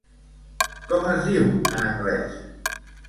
Com es diu en anglès?